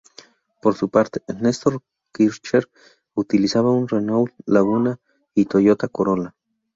Por su parte, Nestor Kirchner utilizaba un Renault Laguna y Toyota Corolla.